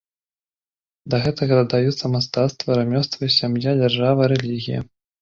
Да гэтага дадаюцца мастацтва, рамёствы, сям'я, дзяржава, рэлігія.